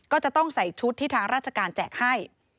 ก็จะต้องใส่ชุดที่ทางราชการแจกให้